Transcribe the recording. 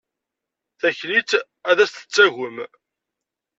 Taklit ad as-d-tettagem.